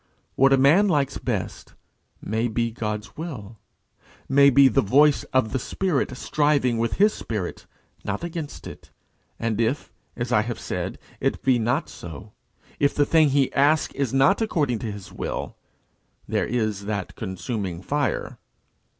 What a man likes best may be God's will, may be the voice of the Spirit striving with his spirit, not against it; and if, as I have said, it be not so if the thing he asks is not according to his will there is that consuming fire.